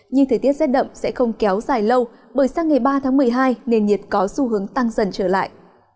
nhưng thời tiết rét đậm sẽ không kéo dài lâu bởi sang ngày ba tháng một mươi hai nền nhiệt có xu hướng tăng dần trở lại